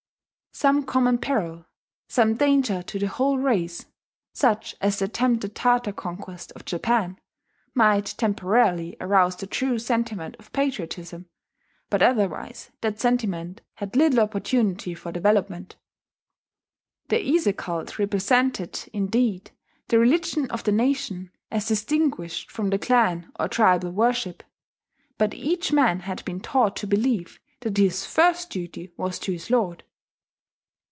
Some common peril, some danger to the whole race such as the attempted Tartar conquest of Japan might temporarily arouse the true sentiment of patriotism; but otherwise that sentiment had little opportunity for development. The Ise cult represented, indeed, the religion of the nation, as distinguished from the clan or tribal worship; but each man had been taught to believe that his first duty was to his lord.